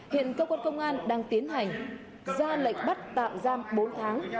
hiện cơ quan công an đang tiến hành ra lệnh bắt tạm giam bốn tháng